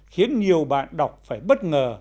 khiến nhiều bạn đọc phải bất ngờ